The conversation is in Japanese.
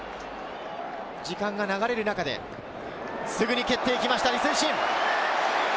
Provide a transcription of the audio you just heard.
時間が流れる中ですぐに蹴っていきました、李承信。